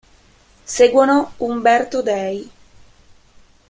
Seguono "Umberto Dei.